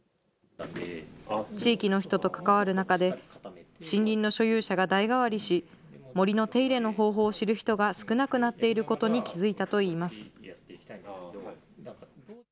地域の人と関わる中で、森林の所有者が代替わりし、森の手入れの方法を知る人が少なくなっていることに気付いたといいます。